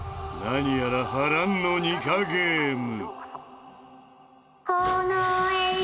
何やら波乱のニカゲーム。